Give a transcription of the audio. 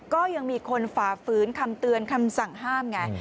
ก็ยังมีคนฝ่าฝืนคำเตือนคำสั่งห้ามไง